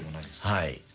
はい。